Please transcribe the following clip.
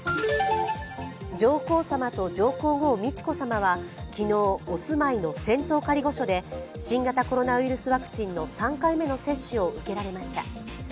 上皇さまと上皇后・美智子さまは、昨日、お住まいの仙洞仮御所で新型コロナウイルスワクチンの３回目の接種を受けられました。